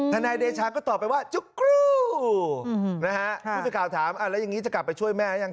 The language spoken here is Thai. ทนายเดชาก็ตอบไปว่าจุ๊กรูนะฮะคุณสุดข่าวถามอ่าแล้วยังงี้จะกลับไปช่วยแม่ยัง